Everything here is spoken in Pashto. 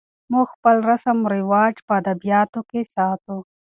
موږ خپل رسم و رواج په ادبیاتو کې ساتو.